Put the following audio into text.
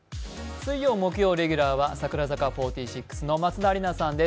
水曜、木曜レギュラーは櫻坂４６の松田里奈さんです。